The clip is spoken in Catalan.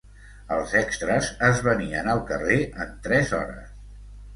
Els extres es venien al carrer en tres hores.